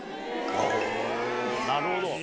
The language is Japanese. なるほど。